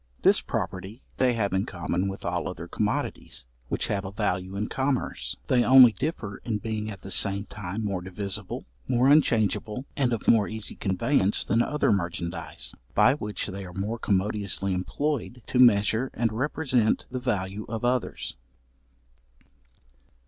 This property they have in common with all other commodities which have a value in commerce. They only differ in being at the same time more divisible, more unchangeable, and of more easy conveyance than other merchandize, by which they are more commodiously employed to measure and represent the value of others.